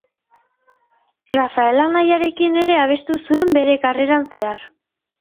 Rafael anaiarekin ere abestu zuen bere karreran zehar.